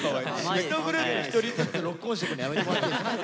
１グループ１人ずつロックオンしていくのやめてもらっていいですか。